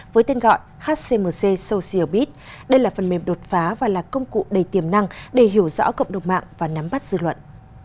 với tên gọi hcmc social bid đây là phần mềm đột phá và là công cụ đầy tiềm năng để hiểu rõ cộng đồng mạng và nắm bắt dư luận